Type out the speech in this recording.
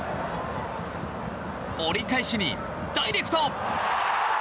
折り返しにダイレクト！